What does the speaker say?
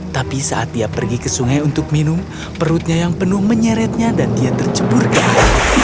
tapi saat dia pergi ke sungai untuk minum perutnya yang penuh menyeretnya dan dia terceburkan